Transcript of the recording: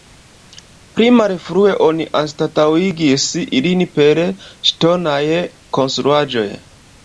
Pli malfrue oni anstataŭigis ilin per ŝtonaj konstruaĵoj.